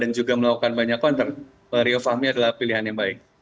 dan juga melakukan banyak counter ryo fahmi adalah pilihan yang baik